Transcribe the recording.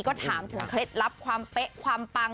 ก็ถามถึงเคล็ดลับความเป๊ะความปัง